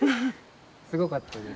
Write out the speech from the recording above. すごかったです。